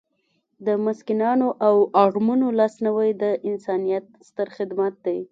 د مسکینانو او اړمنو لاسنیوی د انسانیت ستر خدمت دی.